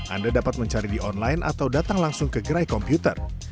anda dapat mencari di online atau datang langsung ke gerai komputer